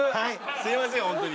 すいませんホントに。